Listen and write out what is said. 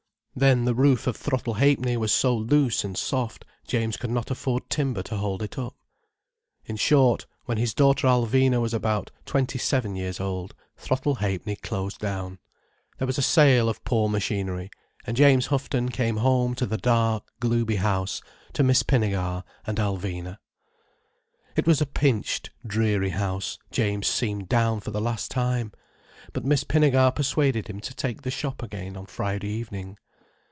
Then the roof of Throttle Ha'penny was so loose and soft, James could not afford timber to hold it up. In short, when his daughter Alvina was about twenty seven years old, Throttle Ha'penny closed down. There was a sale of poor machinery, and James Houghton came home to the dark, gloomy house—to Miss Pinnegar and Alvina. It was a pinched, dreary house. James seemed down for the last time. But Miss Pinnegar persuaded him to take the shop again on Friday evening.